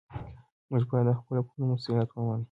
موږ باید د خپلو کړنو مسؤلیت ومنو.